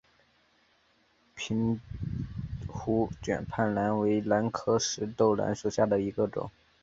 瓶壶卷瓣兰为兰科石豆兰属下的一个种。